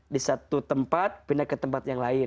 di satu tempat pindah ke tempat yang lain